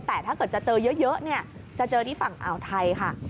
แต่ถ้าเกิดจะเจอเยอะเนี่ยจะเจอที่ฝั่งอ่าวไทยค่ะ